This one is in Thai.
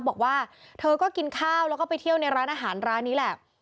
บอกว่าเธอก็กินข้าวแล้วก็ไปเที่ยวในร้านอาหารร้านนี้แหละ